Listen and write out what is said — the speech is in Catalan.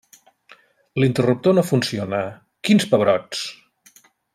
L'interruptor no funciona, quins pebrots!